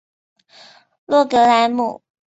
洛格莱姆。